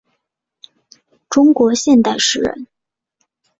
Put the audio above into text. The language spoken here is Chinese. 中国现代诗人。